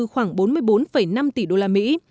khoảng bốn mươi bốn năm tỷ đô la mỹ